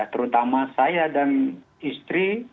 terutama saya dan istri